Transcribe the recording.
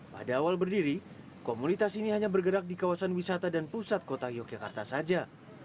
pada awal berdiri komunitas ini hanya bergerak di kawasan wisata dan pusat kota yogyakarta saja